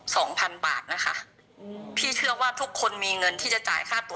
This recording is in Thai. สองพันบาทนะคะอืมพี่เชื่อว่าทุกคนมีเงินที่จะจ่ายค่าตัว